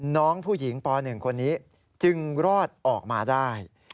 น้องผู้หญิงป๑คนนี้จึงรอดออกมาได้